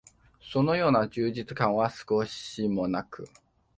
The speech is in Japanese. そのような充実感は少しも無く、